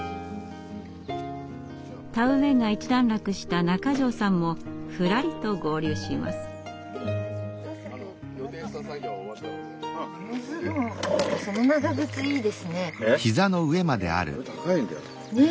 田植えが一段落した中條さんもふらりと合流します。え？